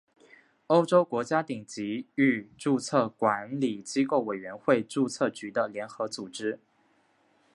欧洲国家顶级域注册管理机构委员会注册局的联合组织。